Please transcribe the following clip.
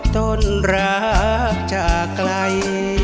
ต้นรักจากไกล